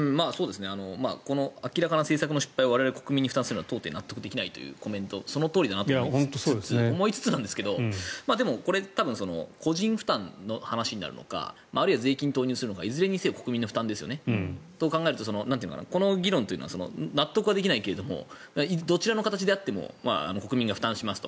明らかな政策の失敗を我々国民が負担するのは到底納得できないというそのとおりだなと思いつつですが多分、個人負担の話になるのか税金を投入するのかいずれにせよ国民の負担ですと考えるとこの議論というのは納得はできないけどどちらの形であっても国民が負担しますと。